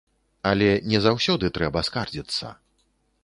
Але не заўсёды трэба скардзіцца.